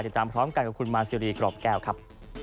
ติดตามพร้อมกันกับคุณมาซีรีกรอบแก้วครับ